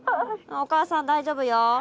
おかあさん大丈夫よ。